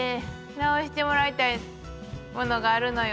直してもらいたいわよ！